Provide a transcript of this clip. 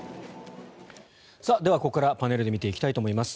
ここからパネルで見ていきたいと思います。